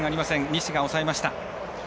西が抑えました。